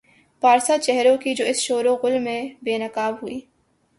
پارسا چہروں کی جو اس شوروغل میں بے نقاب ہوئی۔